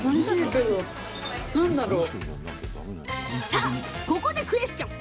さあ、ここでクエスチョン。